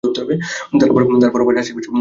তার বড় ভাই রাজশাহী বিশ্বনিদ্যালয়ে পড়ে।